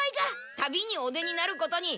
旅にお出になることに。